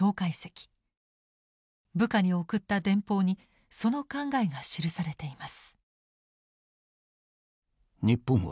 部下に送った電報にその考えが記されています。